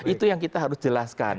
itu yang kita harus jelaskan